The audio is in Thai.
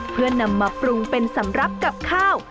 เพื่อนำมาปรุงเป็นสำหรับกับข้าว